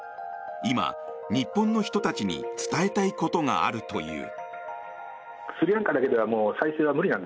今、日本の人たちに伝えたいことがあるという。